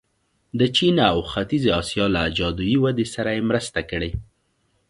د چین او ختیځې اسیا له جادويي ودې سره یې مرسته کړې.